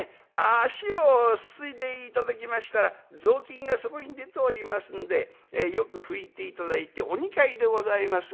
足をすすいで頂きましたら雑巾がそこに出ておりますんでよく拭いて頂いてお二階でございます。